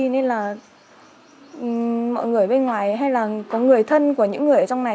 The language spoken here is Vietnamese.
nên là mọi người bên ngoài hay là có người thân của những người ở trong này